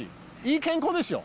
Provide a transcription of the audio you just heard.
いい健康ですよ。